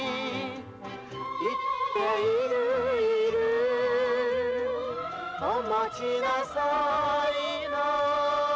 「言っているいるお持ちなさいな」